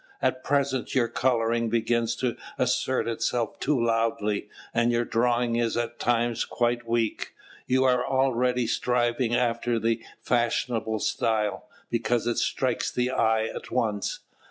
At present your colouring begins to assert itself too loudly; and your drawing is at times quite weak; you are already striving after the fashionable style, because it strikes the eye at once.